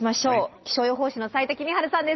気象予報士の斉田季実治さんです